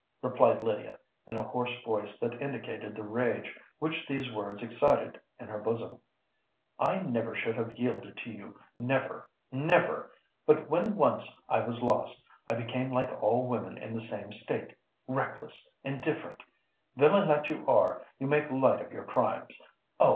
replied Lydia, in a hoarse voice that indicated the rage which these words excited in her bosom. "I never should have yielded to you: never—never! But when once I was lost, I became like all women in the same state—reckless, indifferent! Villain that you are, you make light of your crimes. Oh!